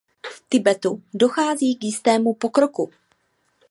V Tibetu dochází k jistému pokroku.